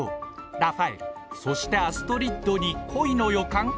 ラファエルそしてアストリッドに恋の予感？